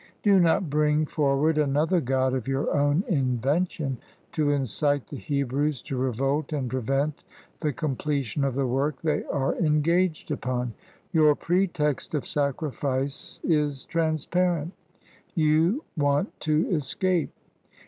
Do not bring forward another god of your own invention to incite the Hebrews to revolt and prevent the completion of the work they are engaged upon. Your pretext of sacrifice is transparent: you want to escape.